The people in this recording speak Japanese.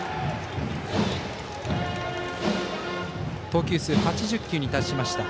投球数、８０球に達しました。